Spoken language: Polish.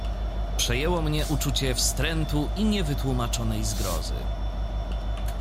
"Przejęło mnie uczucie wstrętu i niewytłumaczonej zgrozy."